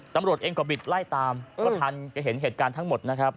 ตำรวจเองก็บิดไล่ตามก็ทันเห็นเหตุการณ์ทั้งหมดนะครับ